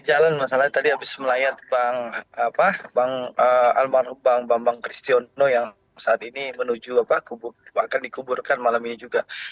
jalan masalah tadi habis melayar bang apa bang bang kristiano yang saat ini menuju apa akan dikuburkan malam ini juga